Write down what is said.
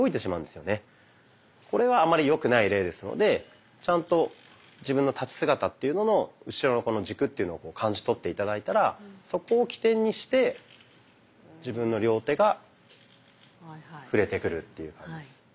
これはあんまりよくない例ですのでちゃんと自分の立ち姿っていうのの後ろの軸というのを感じ取って頂いたらそこを起点にして自分の両手が振れてくるという感じです。